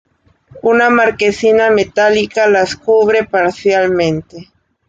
Una marquesina metálica las cubre parcialmente.